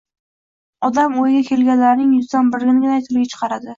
Odam o‘yiga kelganlarining yuzdan birinigina tiliga chiqaradi